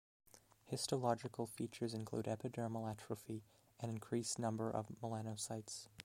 Histological features include epidermal atrophy and increased number of melanocytes.